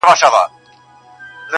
اوس يــې آهـونـــه په واوښتـل~